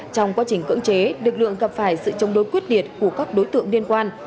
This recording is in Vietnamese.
trong quá trình cưỡng chế lực lượng gặp phải sự chống đối quyết liệt của các đối tượng liên quan